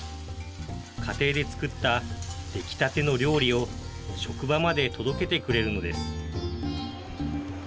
家庭でつくったできたての料理を職場まで届けてくれるのです。